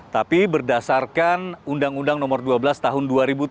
tapi berdasarkan undang undang nomor dua belas tahun dua ribu tujuh belas